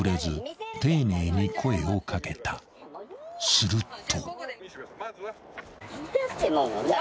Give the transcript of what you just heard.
［すると］